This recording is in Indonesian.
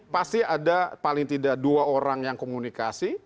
pasti ada paling tidak dua orang yang komunikasi